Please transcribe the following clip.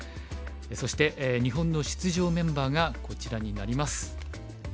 そして日本の出場メンバーがこちらになります。